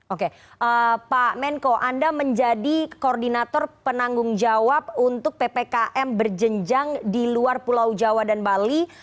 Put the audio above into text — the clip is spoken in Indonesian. oke pak menko anda menjadi koordinator penanggung jawab untuk ppkm berjenjang di luar pulau jawa dan bali